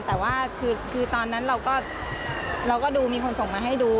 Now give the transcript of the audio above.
แต่ว่าคือตอนนั้นเราก็ดูมีคนส่งมาให้ดู